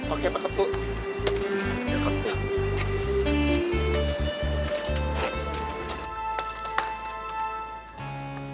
oke pak ketuk